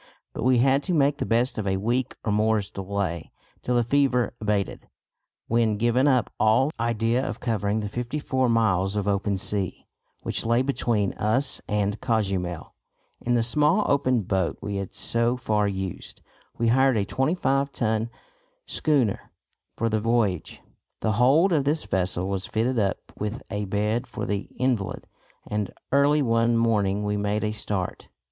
But we had to make the best of a week or more's delay, till the fever abated, when, giving up all idea of covering the fifty four miles of open sea, which lay between us and Cozumel, in the small open boat we had so far used, we hired a 25 ton schooner for the voyage. The hold of this vessel was fitted up with a bed for the invalid, and early one morning we made a start.